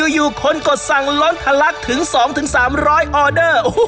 อยู่คนกดสั่งล้นทะลักถึง๒๓๐๐ออเดอร์